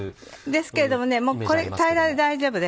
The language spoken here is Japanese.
ですけれどもこれ平らで大丈夫です。